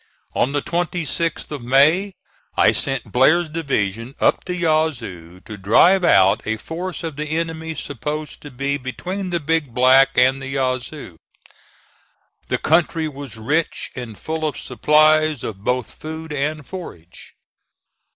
(*13) On the 26th of May I sent Blair's division up the Yazoo to drive out a force of the enemy supposed to be between the Big Black and the Yazoo. The country was rich and full of supplies of both food and forage.